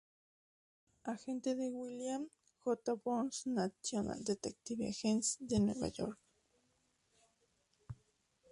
Agente de William J. Burns National Detective Agency de Nueva York.